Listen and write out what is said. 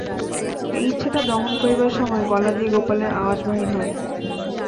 এই ইচ্ছাটা দমন করিবার সময় গলা দিয়া গোপালের আওয়াজ বাহির হয় না।